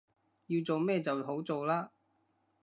要做咩就好做喇